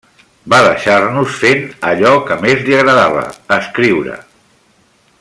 Va deixar-nos fent allò que més li agradava: escriure.